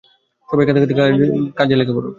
সবাই কাঁধে-কাঁধ মিলিয়ে কাজে লেগে পড়ো!